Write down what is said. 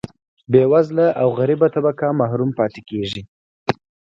بیوزله او غریبه طبقه محروم پاتې کیږي.